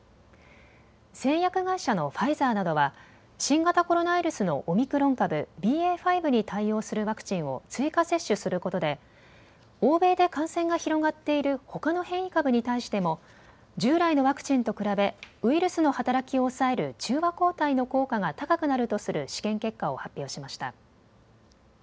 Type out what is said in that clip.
製薬会社のファイザーなどは新型コロナウイルスのオミクロン株、ＢＡ．５に対応するワクチンを追加接種することで欧米で感染が広がっているほかの変異株に対しても従来のワクチンと比べウイルスの働きを抑える中和抗体の効果が高くなるとする試験結果を発表しました。